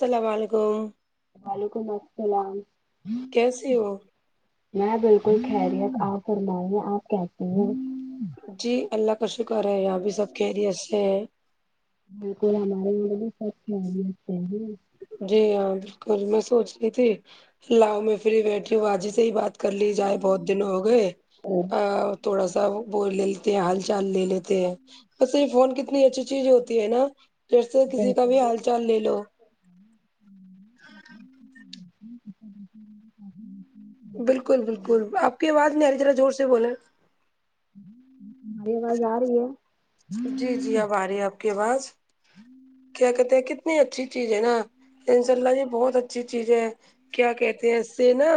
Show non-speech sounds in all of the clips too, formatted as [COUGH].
السلام علیکم وعلیکم السلام کیسے ہو میں بالکل خیریت آپ فرمائیے آپ کہسی ہیں جی اللہ کا شکر ہے ابھی سب خیریت سے ہیں ہاں کوئی ہمارے مے بھی سب ہوتے جی ہاں بالکل میں سونچ رہی تھی لاؤ میں فری بیٹھی ہوں آ باجی سے ہی بات کر لی جائے بہت دن ہو گئے اور ا تھوڑا سا بول لے لیتے ہیں ہال چال لے لیتے ہیں بسے یہ فون کتنی اچھی چیز ہوتی ہے نا جیسے کسی کا بھی بالکل یہ حال تو چال لے کافی لو صحیح بالکل بالکل آپ کی آواز نہیں آ رہی ذرا زور سے بولاے ہماری آواز آ رہی ہے جی جی اب آ رہی ہے آپ کی آواز کیا کہتے ہیں کت اتنی اچھی چیز ہے نا ان شاء اللہ یہ بہت اچھی چیز ہے کیا کہتے ہیں اس سے نا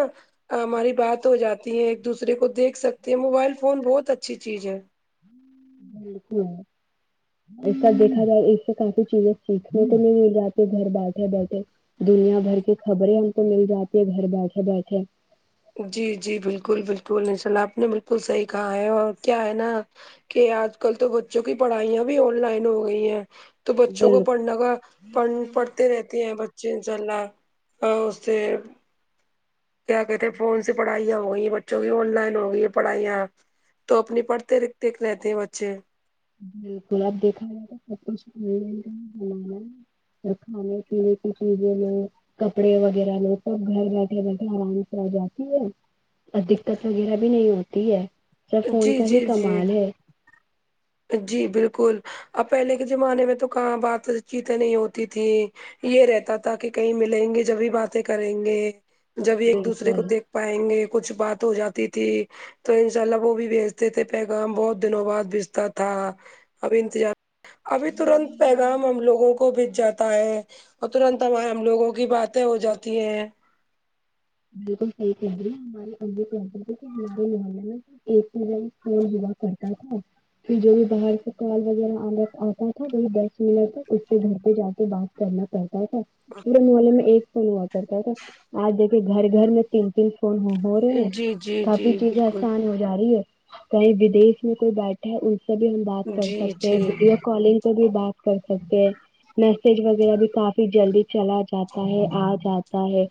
آ ہماری بات ہو جاتی ہے ایک دوسرے کو دیکھ سکتے ہیں موبائل فون بہت اچھی چیج ہے [UNINTELLIGIBLE] ایسب دیکھا جائے اس سے کافی چیزیں سیکھنے کو نہیں مل جاتی گھر بیٹھے بیٹھے دنیا بھر کی خبریں ہم کو مل جاتی ہے گھر بیٹھے بیٹھے جی جی بالکل بالکل ان شاء اللہ آپ نے بالکل صحیح کہا ہے اور کیا ہے نا کہ آج کل تو بچوں کی پڑھائیاں بھی آن لائن ہو گئی ہیں تو بچوں کو بالکل پڑھنا کا پن پڑھتے رہتے ہیں بچے ان شاء اللہ اس سے کیا کہتے ہیں فون سے پڑھائیا ہو گئی ہیں بچوں کی آن لائن ہو گئی پڑھائیاں تو اپنے پڑھتے لکھتے رہتے ہیں بچے [UNINTELLIGIBLE] اور کھانے پینے کی چیزوں میں کپڑے وغیرہ لوگ سب گھر بیٹھے بیٹھے آرام سے آ جاتی ہے اور دقت وغیرہ بھی نہیں ہوتی ہے سب فون جی کا جی ہی جی کمال ہے جی بالکل اب پہلے کے زمانے میں تو کہاں بات چیتیں نہیں ہوتی تھی یے رہتا تھا کہ کہیں ملیں گے جب بھی باتیں کریں گے جب ایک دوسرے کو بالکل دیکھ پائیں گے کچھ بات ہو جاتی تھی تو انشاء اللہ وہ بھی بیجتے تھے پیغام بہت دنوں بعد بیجتا تھا اب انتجار ابھی ترنت پیغام ہم لوگوں کو بھیج جاتا ہے اور ترنت ہمارا ہم لوگوں کی باتیں ہو جاتی ہیں بالکل صحیح کہے رہی ہے ہماری امی کہتے تھے کی ہمارے زمانے میں ایک کے جن فون ہوا کرتا تھا پھر جو بھی باہر سے کال وغیرہ آ آتا تھا وہی دس منٹ اس کے گھر پے جا کے بات کرنا پڑتا تھا پورے محلے میں ایک فون ہوا کرتا تھا آج دیک گھر گھر میں تین تین فون ہو رہے ہیں جی جی کافی جی چیزیں بالکل آسان ہو جا رہی ہے کہیں ودیش میں کوئی بیٹھے ہے ان سے بھی ہم بات کر جی سکتے ہیں جی ویڈیو کالنگ پے بھی بات کر سکتے ہیں میسج وغیرہ بھی کافی جلدی چلا جاتا ہے آ جاتا ہے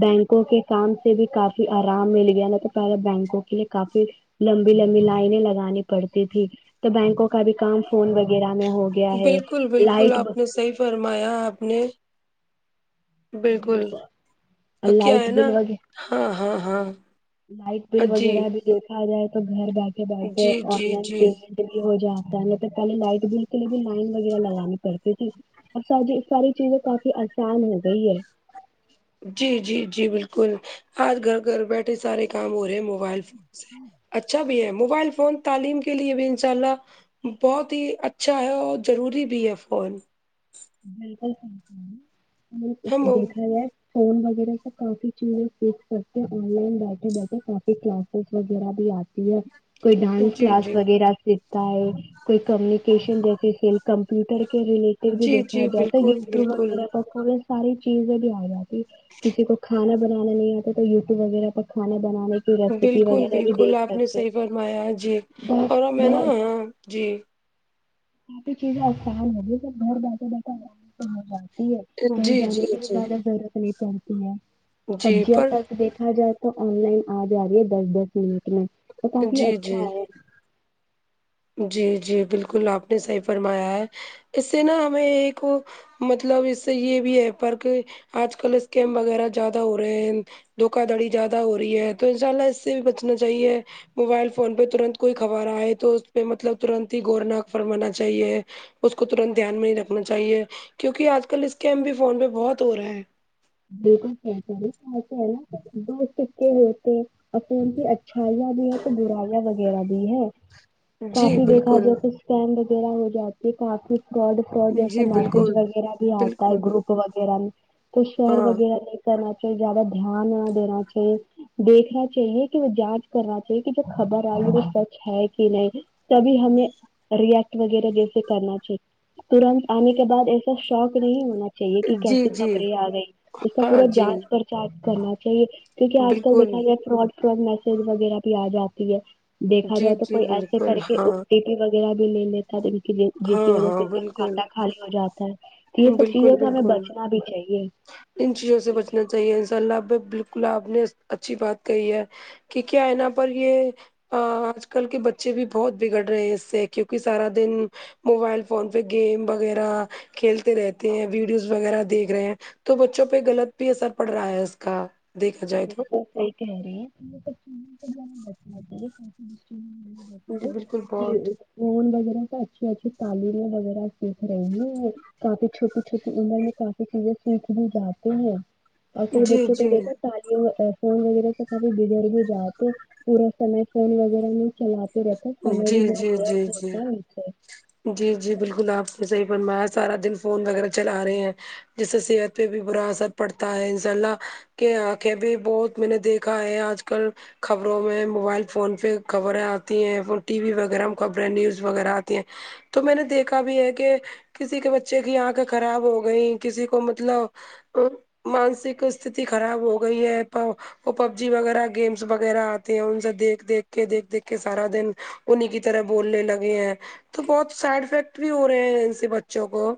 بینک کو کے کام سے بھی کافی آرام مل گیا نہ تو پہلے بینکوں کے لیے کافی لمبی لمبی لائنے لگانی پڑتی تھی تو بینکوں کا بھی کام فون وغیرہ میں ہوگ بالکل بالکل آپ نے صحیح فرمایا آپ نے بالکل اب کیا لائٹ ہے نا بل وغیرہ ہاں ہاں ہاں لائٹ بل جی وغیرہ بھی دیکھا جائے تو گھر بیٹھے بیٹھے جی آن جی لائن جی پیمنٹ کلیئر ہو جاتا ہے نہیں تو پہلے لائٹ بل کے لیے بھی لائن وغیرہ لگانی پڑتی تھی اچھا جی ساری چیزیں کافی آسان ہو گئی ہے جی جی جی بالکل آج گھر گھر بیٹھے سارے کام ہو رہے ہیں مو بائل فون سے اچھا بھی ہے موبائل فون تعلیم کے لیے بھی ان شاء اللہ بہت ہی اچھا ہے اور جروری بھی ہے فون بالکل صحیح ہم فرمائیں [UNINTELLIGIBLE] دیکھا جائے فون وغیرہ سے کافی چیزیں سیکھ سکتے ہیں آن لائن بیٹھے بیٹھے کافی کلاس سیس وغیرہ بھی آتی ہے کوئی ڈانس جی کلاس جی وغیرہ سیکھتا ہے کوئی کمیونکیشن جیسے سلف کمپیوٹر کے ریلیٹڈ بھی جی دیکھا جی جاتا بالکل یوٹیوب بالکل وغیرہ میں ترنت ساری چیزیں بھی آ جاتی کسی کو کھانا بنانا نہیں آتا تو یوٹیوب وغیرہ پر کھانا بنانے کی ریسیپی بالکل وغیرہ بھی بالکل دیکھ آپ نے سکتے صحیح فرمایا جی اور بہت ہمیں نا بہت ہاں جی کافی چیزیں آسان ہے جیسے سب گھر بیٹھے بیٹھے آرام سے ہو جاتی ہے کہیں جی جانے جی کی بھی جی زیادہ ضرورت نہیں پڑ جی سبزیاں پر تک دیکھا جائے تو آن لائن آ جا رہی ہے دس دس منٹ میں تو کافی جی اچھا جی ہے جی جی بالکل آپ نے صحیح فرمایا ہے اس سے نا ہمیں ایک وہ مطلب اس سے یہ بھی ہے پر کہ آج کل اسکیم وغیرہ زیادہ ہو رہے ہیں دھوکا دھڑی زیادہ ہو رہی ہے تو ان شاء اللہ اس سے بھی بچنا چاہیے موبائل فون پے ترنت کوئی خبر آئے تو اس پے مطلب ترنت ہی گورناک فرمانا چاہیے اس کو ترنت دھیان میں نہیں رکھنا چاہیے کیونکی آج کل اسکیم بھی فون پے بہت ہو رہا ہے [UNINTELLIGIBLE] نہیں ہے تو برایاں وغیرہ دی ہے جی کافی دیکھا بالکل جائے تو اسکم وغیرہ ہو جاتی ہے کافی فراڈ فراڈ جیسا جی میسج بالکل وغیرہ بھی آتا ہے بالکل گروپ وغیرہ میں کو شہر ہاں وغیرہ نہیں کرنا چاہیے زیادہ دھیان نہ دینا چاہیے دیکھنا چاہیے کہ وہ جانچ کرنا چاہیے کہ جو خبر آ رہئی ہے وہ سچ ہے کہ نہیں تبھی ہمیں ریٹ وغیرہ جیسے کرنا چاہیے ترنت آنے کے بعد ایسا شوق نہیں ہونا چاہے کہ جی کیسی جی خبریں آ گئی اس کا ہاں پورا جی جانچ پرچانچ کرنا چاہیے کیونکہ آج کل بالکل دیکا جائے فراڈ فراڈ میسج وغیرہ بھی آ جاتی ہے دیکھا جی جائے تو جی کوئی ایسے بالکل کر کے ہاں اگتے وغیرہ بھی لے لیتا تو کی جس کی ہاں وجہ سے ہاں ان کا بالکل کھاتہ خالی ہو جاتا ہے تو یہ سب بالکل چیزیں تو ہمیں بالکل بچنا بھی چاہیے ان چیزوں سے بچنا چاہیے ان شاء اللہ ا بالکل آپ نے اچھی بات کہی ہے کہ کیا ہیں نا پر یہ ا آج کل کے بچے بھی بہت بگڑ رہے ہیں اس سے کیونکہ سارا دن موبائل فون پہ گیم وغیرہ کھیلتے رہتے ہیں ویڈیوز وغیرہ دیکھ رہے ہیں تو بچوں پہ غلط بھی اثر پڑ رہا ہے اس کا دیکھا جائے بالکل صحیح کہا رہی ہیں تو جی بالکل بہت فون وغیرہ کا اچھی اچھی تعلیم وغیرہ سیکھ رہے ہیں کافی چھوٹی چھوٹی عمر میں کافی چیزیں سیکھ بھی جاتے ہیں اور کئی جی بچوں کو جی دیکھ تالی فون وغیرہ تو کافی بیگڑ بھی جاتے پورا س میں فون وغیرہ نہیں چلاتے رہتا ہے سمے بھی جی بہت جی دیر جی جی ہوتا ہے اس سے جی جی بالکل آپ نے صحیح فرمایا سارا دن فون وغیرہ چلا رہے ہیں جس سے صحت پہ بھی برا اثر پڑتا ہے انشاء اللہ کہ آنکھیں بھی بہت میں نے دیکھا ہے آج کل خبروں میں موبائل فون پہ خبریں آتی ہیں ٹی وی وغیرہ خبریں نیوز وغیرہ آتی ہیں تو میں نے دیکھا بھی ہے کہ کسی کے بچے کی آنکھیں خراب ہو گئیں کسی کو مطلب ا مانسک استتی خراب ہو گئی ہے وہ پب جی وغیرہ گیمس وغیرہ آتے ہیں ان سے دیکھ دیکھ کے دیکھ دیکھ کے سارا دن انہیں کی طرح بولنے لگے ہیں تو بہت سائڈ افیکٹ بھی ہو رہے ہیں ان سے بچوں کو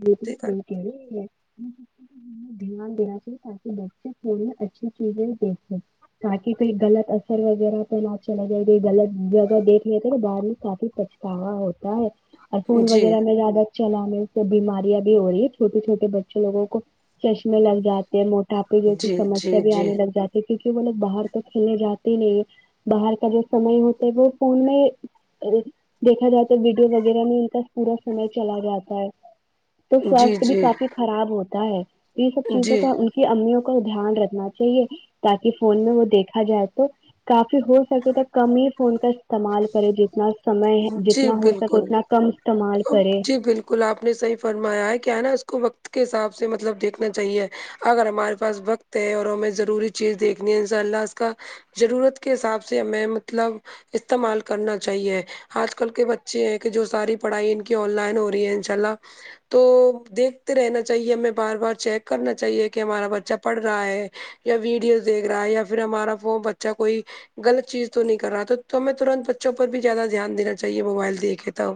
بالکل [UNINTELLIGIBLE] کہی ہے دھیان دین چ تاک ب تھڑی اچھی چیزیں دیکھیں تاکہ کوئی غلط اثر وغیرہ پہ نہ چل جائے گی غلط جگہ دیکھ لیتے تو بعد میں کافی پچ ا ہوتا ہے اور پھول جی وغیرہ میں زیادہ چلا ہم تو بیماریاں بھی ہو رہی ہے چھوٹے چھوٹے بچے لوگوں کو چشمے لگ جاتے ہیں مو تاپی جیسی جی جی سمیاسی بھی جی آنے لگ جاتی کیونکہ وہ لوگ باہر تو کھیلنے جاتے ہی نہیں ہے باہر کا جو سمے ہوتا ہے وہ فون میں ار دیکھا جاءے تو ویڈیوس وغیرہ میں ان کا پورا سمے چلا جاتا ہے تو شام جی کو بھی جی کافی خراب ہوتا ہے یہ سب چیزوں جی کا کہ امیوں کو دھیان رکھنا چاہیے تاکہ فون میں وہ دیکھا جائے تو کافی ہو سکے تو کم ہی فون کا استعمال کرے جتنا [INAUDIBLE] سمئے جی جتنا ہو سکے اتنا کم استعمال کرے گلا آب نے صحیح فرمایا ہے کیا ہے نا اس کو وقت کے حساب سے مطلب دیکھنا چاہیے اگر ہمارے پاس وقت ہے اور ہمیں ضروری چیز دیکھنی ہے انشاء اللہ اس کا ضرورت کے حساب سے ہمیں مطلب استعمال کرنا چاہیے آج کل کے بچے ہیں کہ جو ساری پڑھائی ان کی آن لائن ہو رہی ہے انشاء اللہ تو دیکھتے رہنا چاہیے ہمیں بار بار چیک کرنا چاہیے کہ ہمارا بچہ پڑھ رہا ہے یا ویڈیوز دیکھ رہا ہے یا پھر ہمارا فو بچہ کوئی غلط چیز تو نہیں کر رہا تو ہمیں ترنت بچوں پر بھی زیادہ دھیان دینا چاہیے موبائل دیکھے تو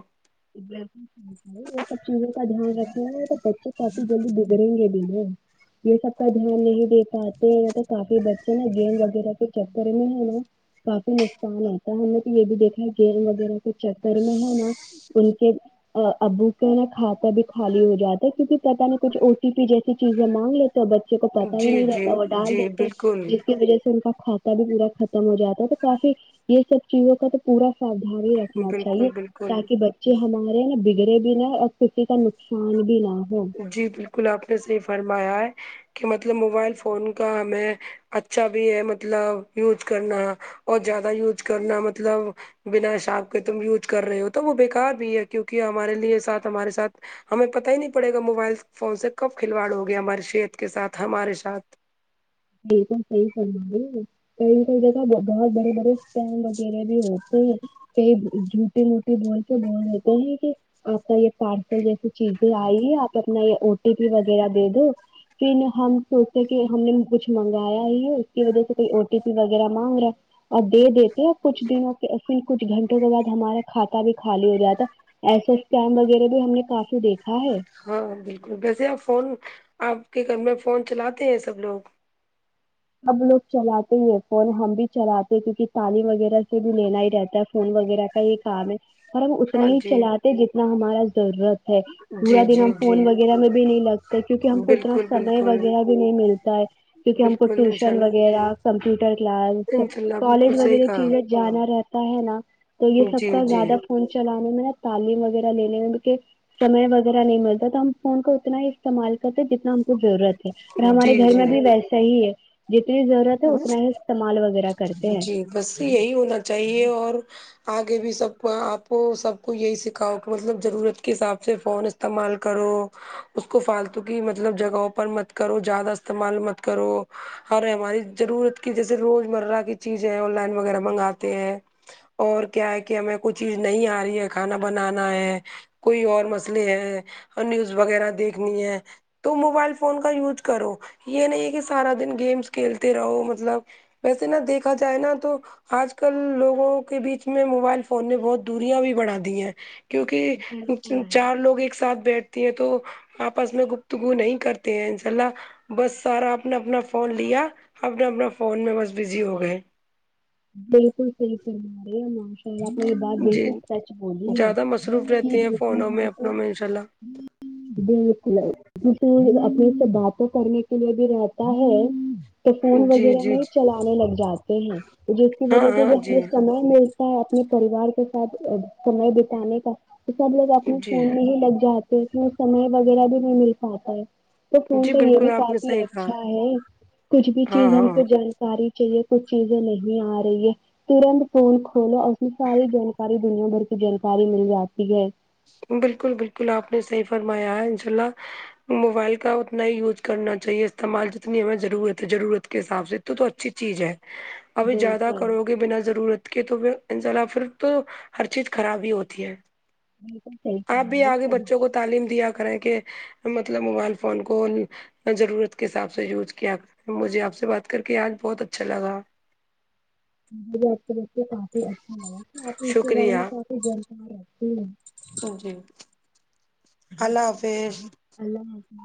یہ سب چیزوں کا دھیان رکھے ہیں تو بچے کافی جلدی یں گے بنا یہ سب کا دھیان نہیں دے پاتے تو کافی ب [UNINTELLIGIBLE] نا گیم وغیرہ تو چکر میں ہے نا کافی نقصان آتا ہے ہم نے تو یہ بھی دیکھا ہے گیم وغیرہ تو چکر میں ہے نا ان کے ابو کا نا کھاتہ بھی خالی ہو جاتا ہے کیونکہ پتہ نہیں کچھ او ٹی پی جیسی چیزیں مانگ لیتے ہو بچے کو پتا ہی جی نہیں جی رہتا وہ ڈال جی دیتے بالکل جس کی وجہ سے ان کا کھاتا بھی پورا ختم ہو جاتا ہے تو کافی یہ سب چیزوں کا تو پورا سادگی میں رکھنا چاہیے بالکل بالکل تاکہ ب جی ہمارے نا بگڑے بھی نہ اور کسی کا نقصان بھی نہ ہو جی بالکل آپ نے صحی فرمایا ہے کہ مطلب موبائل فون کا ہمیں اچھا بھی ہے مطلب یوز کرنا ہے اور زیادہ یوز کرنا مطلب بنا شاک کے تم یوج کر رہے ہو تو وہ بےیکار بھی ہے کیونکہ ہمارے لیے ساتھ ہمارے ساتھ ہمیں پت ہی نہیں پڑے گا موبائل فون سے کب کھلواڑ ہو گیا ہمارے شت کے سات ہمارے ساتھ ٹھیک ہے صحیح کرا گ کئی کئی جگہ بہت بڑے بڑے بڑے اسٹینگ وغیرہ بھی ہوتے ہیں ک جھوٹٹی موٹے بول کے بول دیتے ہیں کہ آپ کا یہ پارسل جیسی چیزیں آئی ہے آپ اپنا یہ او ٹی پی وغیرہ دے دو پھر ہم سوچتے کہ ہم نے کچھ منگایا ہی ہے اس کی وجہ سے کوئی او ٹی پی وغیرہ مانگ رہا ہے اور دے دیتے اور کچھ دنوں کے اور پھر کچھ گھنٹوں کے بعد ہمارا کھاتا بھی خالی ہو جاتا ایسے اسکم وغیرہ بھی ہم نے کافی دیکھا ہے ہاں بالکل ویسے آپ فون آپ کے گھر میں فون چلاتے ہیں سب لوگ اب لوگ چلاتے ہی فون ہم بھی چلاتے کیونکہ تعلیم وغیرہ سے بھی لینا ہی رہتا ہے فون وغیرہ کئی کام ہے پر ہم اتنا ہاں ہی جی چلاتے جتنا ہمارا ضرورت ہے پورا جی دن جی ہم جی فون وغیرہ میں بھی نہیں لگتے کیونکہ ہم کو اتنا بالکل سمئے بالکل وغیرہ بھی نہیں ملتا ہے کیونکہ ہم کو بالکل انشاء ٹیشن اللہ وغیرہ کمپیوٹر کلاس انشاء اللہ بالکل کالج صحیح وغیرہ کے کہا لے جانا رہتا ہے نا تو یہ سب جی کا جی زیادہ فون چلانے میں ن تعلیم وغیرہ لینے میں کہ سمے وغیرہ نہیں ملتا تو ہم فون کو اتنا ہی استعمال کرتے جتنا ہم کو ضرورت ہے اور ہمارے جی گھر جی میں بھی ویسا ہی ہے جتنی ضرورت ہے اتنا ہی استعمال وغیرہ کرتے ہیں جی بس یہی ہونا چاہیے اور آگے بھی سب کو آپ کو سب کو یہی سکھاؤ کہ مطلب ضرورت کے حساب سے فون استعمال کرو اس کو فالتو کی مطلب جگہوں پر مت کرو زیادہ استعمال مت کرو ہر ہماری ضرورت کی جیسے روز مرہ کی چیزیں آن لائن وغیرہ منگاتے ہیں اور کیا ہے کہ ہمیں کوئی چیز نہیں آ رہی ہے کھانا بنانا ہے کوئی اور مسئلے ہے اور نیوز وغیرہ دیکھنی ہے تو موبائل فون کا یوز کرو یہ نہیں کہ سارا دن گیمس کھیلتے رہو مطلب ویسے نہ دیکھا جائے نا تو آج کل لوگوں کے بیچ میں موبائل فون نے بہت دوریاں بھی بڑھا دی ہیں کیونکہ بالکل چچار لوگ ایک ساتھ بیٹھتی ہیں تو آپس میں گفتگو نہیں کرتے ہیں انشاء اللہ بس سارا آپ نے اپنا فون لیا اپنا اپنا فون میں بس بزی ہو گئے بالکل صحیح فرما رہے ہے ماش آپ نے یے بات جی بالکل سچ بولی ہے زیادہ مصروف کی رہتے ہیں دیکھا فونوں جائے میں تو اپنوں میں انشاء اللہ بالکل اپنے سے بات کرنے کے لیے بھی رہتا ہے تو فون جی وغیرہ جی میں جی چلانے لگ جاتے ہیں جس کی ہاں وجہ سے ہاں جو جی ہم نہ ملتا ہے اپنے پریوار کے ساتھ سمے بتانے کا تو سب لوگ اپنے جی فون میں ہی لگ جاتے تو اس میں سمئے وغیرہ بھی نہیں مل پاتا ہے تو فون جی تو یے بالکل بھی آپ نے کافی صحیح کہا اچھا ہے کچھ بھی ہاں چیز ہم کو ہاں جانکاری چاہیے کچھ چیزیں نہیں آ رہی ہے ترنت فون کھولو اس میں ساری جانکاری دنیا بھر کی جانکاری مل جاتی ہے بالکل بالکل آپ نے صحیح فرمایا ہے انشاء اللہ موبائل کا اتنا ہی یوز کرنا چاہیے استعمال جتنی ہمیں ضرورت ہے جرورت کے حساب سے تو تو اچھی چیز ہے ابھی زیادہ بالکل کرو گے بنا ضرورت کے تو انشاللہ پھر تو ہر چیز خراب ہی ہوتی ہے بالکل صحیح کہا آپ بھی آگے ہے بچوں کو تعلیم دیا کریں کہ مطلب موبائل فون کو ضرورت کے حساب سے یوز کیا کر مجھے آپ سے بات کر کے آج بہت اچھا لگا مجھے بھی آپ کو دیکھ کے کافی اچھا لگا کی آپ نے اس کے بارے میں کافی جانکاری رکھتی ہے آمم جی اللہ حافظ اللہ حافظ